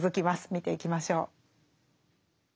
見ていきましょう。